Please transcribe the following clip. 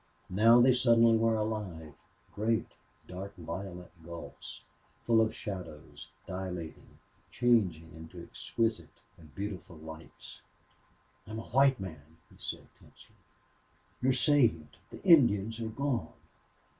Now they suddenly were alive, great dark violet gulfs, full of shadows, dilating, changing into exquisite and beautiful lights. "I'm a white man!" he said, tensely. "You're saved! The Indians are gone!"